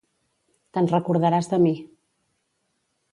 Te'n recordaràs de mi.